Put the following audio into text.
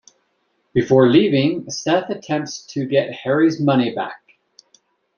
Before leaving, Seth attempts to get Harry's money back.